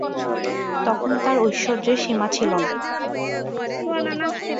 তখন তার ঐশ্বর্যের সীমা ছিল না।